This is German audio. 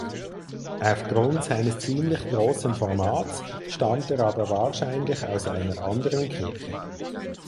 Aufgrund seines ziemlich großen Formats stammt er aber wahrscheinlich aus einer anderen Kirche.